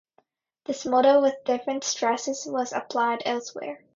This model, with different stresses, was applied elsewhere.